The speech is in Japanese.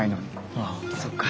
あっそっか。